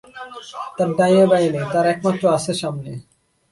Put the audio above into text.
তার ডাইনে বাঁয়ে নেই, তার একমাত্র আছে সামনে।